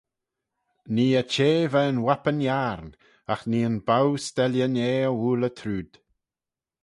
Nee eh chea veih'n wapin-yiarn, agh nee'n bow-steillin eh dy woalley trooid.